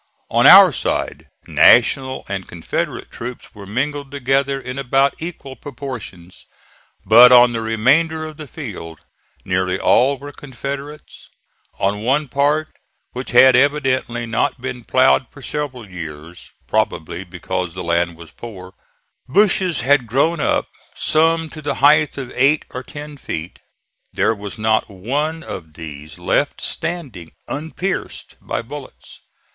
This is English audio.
On our side National and Confederate troops were mingled together in about equal proportions; but on the remainder of the field nearly all were Confederates. On one part, which had evidently not been ploughed for several years, probably because the land was poor, bushes had grown up, some to the height of eight or ten feet. There was not one of these left standing unpierced by bullets.